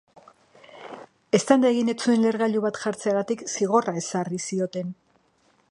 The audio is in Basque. Eztanda egin ez zuen lehergailu bat jartzeagatik zigorra ezarri zioten.